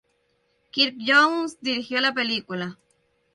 Kirk Jones dirigió la película.